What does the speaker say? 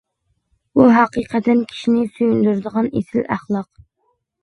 بۇ ھەقىقەتەن كىشىنى سۆيۈندۈرىدىغان ئېسىل ئەخلاق.